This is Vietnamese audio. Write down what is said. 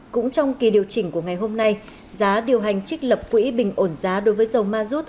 cũng trong kỳ điều chỉnh của ngày hôm nay giá điều hành trích lập quỹ bình ổn giá đối với dầu ma rút